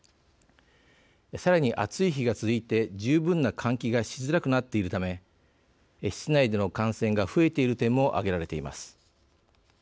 さらに、暑い日が続いて十分な換気がしづらくなっているため室内での感染が増えている点も上げられています。